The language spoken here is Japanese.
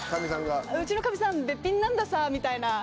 うちのかみさんべっぴんなんださみたいな。